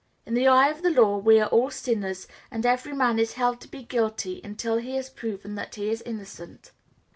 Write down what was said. In the eye of the law we are all sinners, and every man is held to be guilty until he has proved that he is innocent.